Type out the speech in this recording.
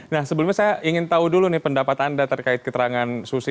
nah sebelumnya saya ingin tahu dulu nih pendapat anda terkait keterangan susi